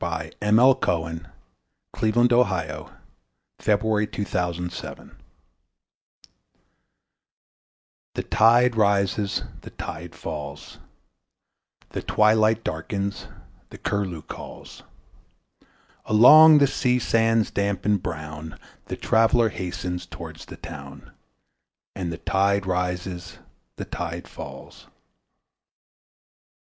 Henry Wadsworth Longfellow The Tide Rises, The Tide Falls THE tide rises, the tide falls, The twilight darkens, the curlew calls; Along the sea sands damp and brown The traveller hastens toward the town And the tide rises, the tide falls.